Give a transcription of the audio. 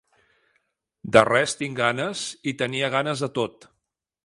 De res tinc ganes, i tenia ganes de tot.